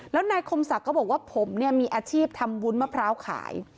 แล้วนายคมศักดิ์ก็บอกว่าผมเนี่ยมีอาชีพทำวุ้นมะพร้าวขาย